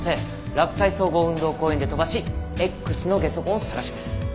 洛西総合運動公園で飛ばしＸのゲソ痕を捜します。